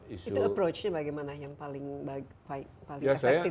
itu approach nya bagaimana yang paling efektif